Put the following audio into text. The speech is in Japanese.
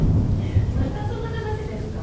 またその話ですか？